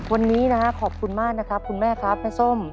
วันนี้นะฮะขอบคุณมากนะครับคุณแม่ครับแม่ส้ม